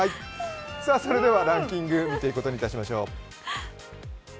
それではランキング、見ていくことにいたしましょう。